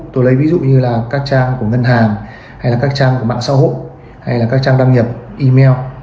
tôi lấy ví dụ như là các trang của ngân hàng hay là các trang của mạng xã hội hay là các trang đăng nhập email